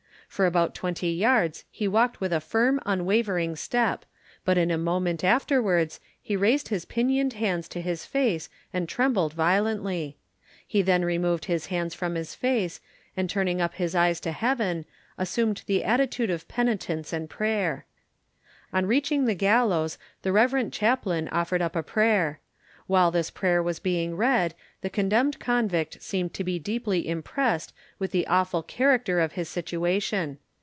For about twenty yards he walked with a firm unwavering step, but in a moment afterwards he raised his pinioned hands to his face and trembled violently. He then removed his hands from his face, and turning up his eyes to heaven, assumed the attitude of penitence and prayer. On reaching the gallows the rev. chaplain offered up a prayer. While this prayer was being read the condemned convict seemed to be deeply impressed with the awful character of his situation.